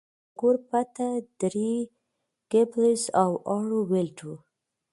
د کور پته درې ګیبلز او هارو ویلډ وه